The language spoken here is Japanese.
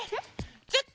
ちょっと。